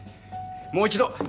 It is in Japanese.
もう一度。